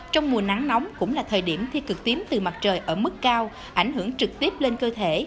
trong mùa nắng nóng cũng là thời điểm thi cực tím từ mặt trời ở mức cao ảnh hưởng trực tiếp lên cơ thể